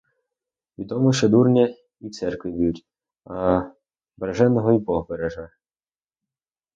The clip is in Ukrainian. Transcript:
Відомо, що дурня і в церкві б'ють, а береженого й бог береже.